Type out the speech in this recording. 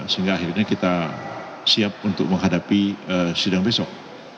sehingga akhirnya kita siap untuk menghadapi sidang besok